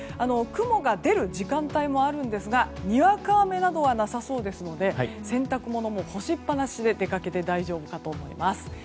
雲が出る時間帯もあるんですがにわか雨などはなさそうですので洗濯物も干しっぱなしで出かけて大丈夫かと思います。